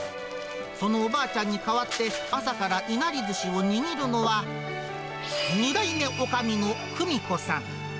そのおばあちゃんに代わって、朝からいなりずしを握るのは、２代目おかみの久美子さん。